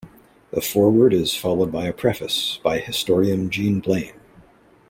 The foreword is followed by a preface by historian Jean Blain.